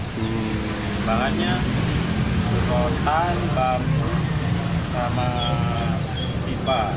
kembalannya rotan bambu sama pipa